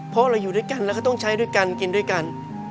เพราะเราอยู่ด้วยกันแล้วก็ต้องใช้ด้วยกันกินด้วยกัน